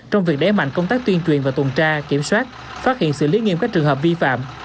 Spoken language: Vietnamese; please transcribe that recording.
trong việc đẩy mạnh công tác tuyên truyền và tuần tra kiểm soát phát hiện xử lý nghiêm các trường hợp vi phạm